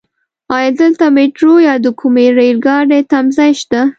ايا دلته ميټرو يا د کومې رايل ګاډی تمځای شته؟